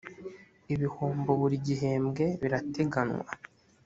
ibihombo buri gihembwe birateganywa